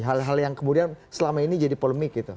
hal hal yang kemudian selama ini jadi polemik gitu